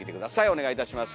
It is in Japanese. お願いいたします。